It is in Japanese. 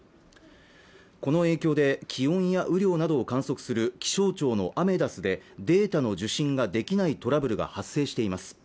この影響で気温や雨量などを観測する気象庁のアメダスでデータの受信ができないトラブルが発生しています